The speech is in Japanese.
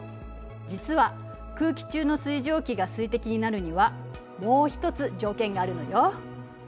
実は空気中の水蒸気が水滴になるにはもう一つ条件があるのよ。